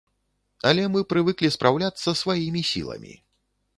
Але мы прывыклі спраўляцца сваімі сіламі.